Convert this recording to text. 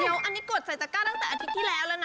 เดี๋ยวอันต้นระขามีนะงตั๊กก้าตั้งแต่อาทิตย์ที่แล้วละนะ